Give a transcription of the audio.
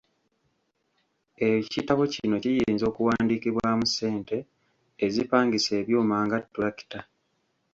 Ekitabo kino kiyinza okuwandiikibwamu ssente ezipangisa ebyuma nga ttulakita.